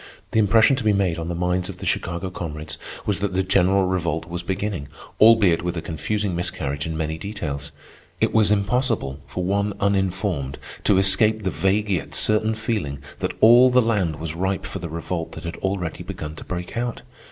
The impression to be made on the minds of the Chicago comrades was that the general Revolt was beginning, albeit with a confusing miscarriage in many details. It was impossible for one uninformed to escape the vague yet certain feeling that all the land was ripe for the revolt that had already begun to break out.